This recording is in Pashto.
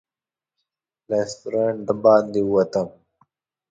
له رسټورانټ د باندې ووتم.